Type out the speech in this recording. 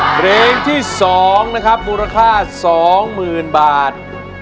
เพลงที่๒นะครับมูลค่า๒๐๐๐๐บาท